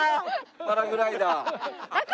パラグライダー。